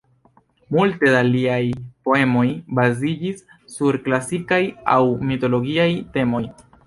Multe da liaj poemoj baziĝis sur klasikaj aŭ mitologiaj temoj.